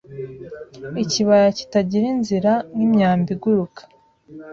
Ikibaya kitagira inzira nkimyambi iguruka